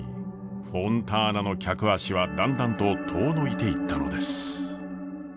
フォンターナの客足はだんだんと遠のいていったのです。